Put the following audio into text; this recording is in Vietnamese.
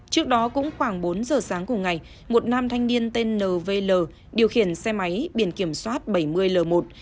trước đó cũng khoảng bốn giờ sáng cùng ngày một nam thanh niên tên nvl điều khiển xe máy biển kiểm soát bảy mươi l một hai mươi bốn nghìn tám trăm bốn mươi chín